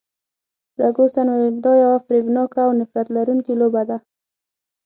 فرګوسن وویل، دا یوه فریبناکه او نفرت لرونکې لوبه ده.